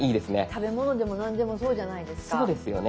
食べ物でも何でもそうじゃないですか。